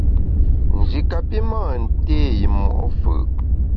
Nji kapi mâ nté i mo’ fù’.